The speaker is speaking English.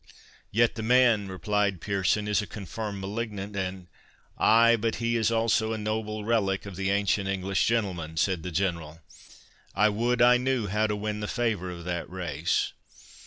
Yet the man," replied Pearson, "is a confirmed malignant, and"— "Ay, but he is also a noble relic of the ancient English Gentleman," said the General. "I would I knew how to win the favour of that race.